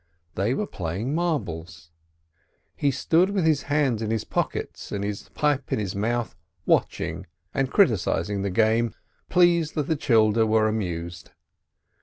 They were playing marbles. He stood with his hands in his pockets and his pipe in his mouth watching and criticising the game, pleased that the "childer" were amused.